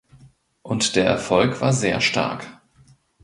Und der Erfolg war sehr stark.